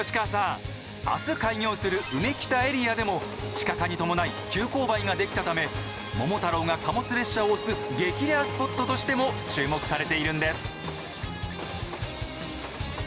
明日開業するうめきたエリアでも地下化に伴い急勾配ができたため「桃太郎」が貨物列車を押す激レアスポットとしても注目されているんです。